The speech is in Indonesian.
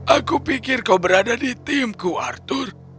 aku pikir kau berada di timku arthur